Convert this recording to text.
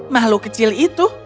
makhluk kecil itu